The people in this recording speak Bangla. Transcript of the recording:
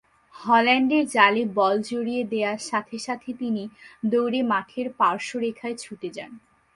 হল্যান্ডের জালে বল জড়িয়ে দেয়ার সাথে সাথে তিনি দৌড়ে মাঠের পার্শ্বরেখায় ছুটে যান।